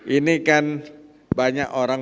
ini kan banyak orang